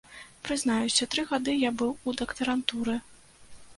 Прызнаюся, тры гады я быў у дактарантуры.